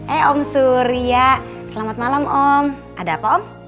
eh om surya selamat malam om ada om